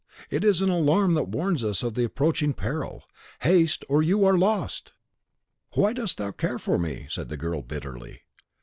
it is an alarm that warns us of the approaching peril. Haste, or you are lost!" "Why dost thou care for me?" said the girl, bitterly.